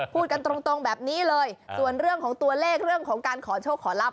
พูดกันตรงแบบนี้เลยส่วนเรื่องของตัวเลขเรื่องของการขอโชคขอรับ